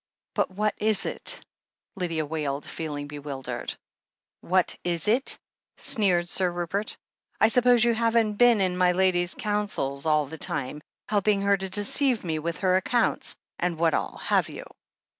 'But what is it ?" Lydia wailed, feeling bewildered. What is itf" sneered Sir Rupert. "I suppose you haven't been in my lady's counsels all the time, helping her to deceive me with her accounts, and what all, have you?"